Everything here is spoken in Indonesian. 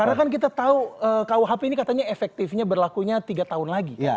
karena kan kita tahu kuhp ini katanya efektifnya berlakunya tiga tahun lagi